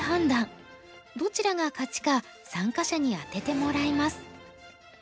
どちらが勝ちか参加者に当ててもらいます。